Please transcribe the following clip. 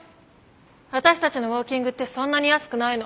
私たちのウォーキングってそんなに安くないの。